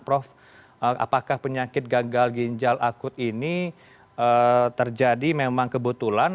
prof apakah penyakit gagal ginjal akut ini terjadi memang kebetulan